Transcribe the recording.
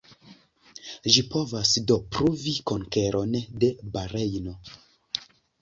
Ĝi povas do pruvi konkeron de Barejno.